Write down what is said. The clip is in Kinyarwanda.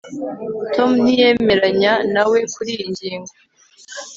Tom ntiyemeranya nawe kuriyi ngingo